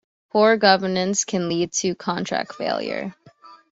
Poor governance can lead to contract failure.